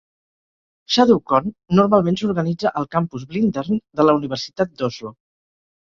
ShadowCon normalment s'organitza al campus "Blindern" de la Universitat d'Oslo.